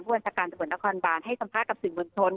บริษัทการตระบวนละครบางให้สัมภาษณ์กับสิ่งบนชน